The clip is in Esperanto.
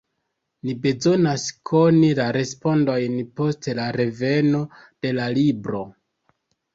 Ni bezonas koni la respondojn post la reveno de la libro.